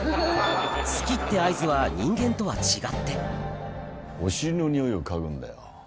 「好き」って合図は人間とは違ってお尻のニオイを嗅ぐんだよ。